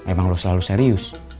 emang lo selalu serius